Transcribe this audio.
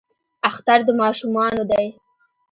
اختر د ماشومانو دی